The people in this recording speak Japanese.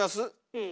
うん。